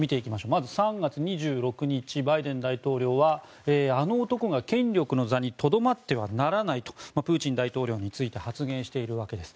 まず３月２６日バイデン大統領はあの男が権力の座にとどまってはならないとプーチン大統領に対して発言しているわけです。